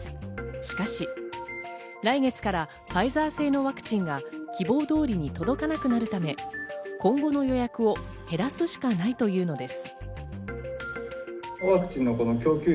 しかし、来月からファイザー製のワクチンが希望通りに届かなくなるため、今後の予約を減らすしかないというのです。